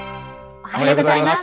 おはようございます。